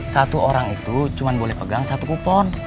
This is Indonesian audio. satu orang itu cuma boleh pegang satu kupon